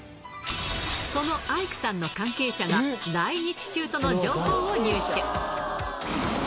そのアイクさんの関係者が来日中との情報を入手。